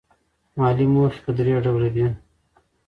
مالي موخې په درې ډوله دي.